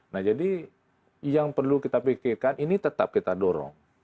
nah jadi yang perlu kita pikirkan ini tetap kita dorong